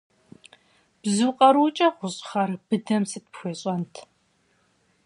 Бзу къарукӏэ гъущӏ хъар быдэм сыт пхуещӏэнт?